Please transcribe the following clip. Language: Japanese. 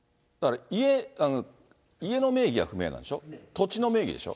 家の名義は不明なんでしょ、土地の名義でしょ。